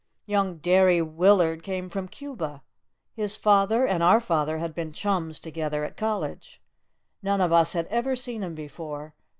Young Derry Willard came from Cuba. His father and our father had been chums together at college. None of us had ever seen him before.